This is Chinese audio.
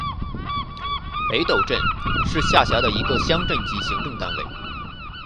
北陡镇是是下辖的一个乡镇级行政单位。